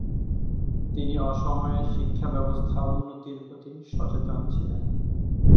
তিনি অসমের শিক্ষা ব্যবস্থা উন্নতির প্রতি সচেতন ছিলেন।